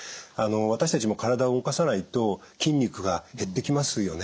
私たちも体を動かさないと筋肉が減ってきますよね。